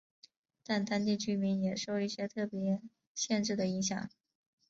但当地居民也受一些特别限制的影响。